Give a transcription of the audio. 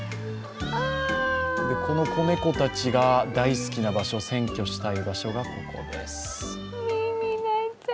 この子猫たちが大好きな場所、占拠したい場所がこちらです。